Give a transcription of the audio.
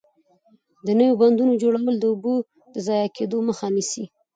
د نويو بندونو جوړول د اوبو د ضایع کېدو مخه نیسي.